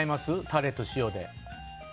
タレと塩で。